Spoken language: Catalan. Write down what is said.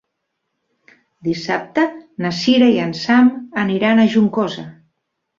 Dissabte na Cira i en Sam aniran a Juncosa.